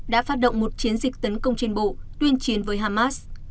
trong một chiến dịch tấn công trên bộ tuyên chiến với hamas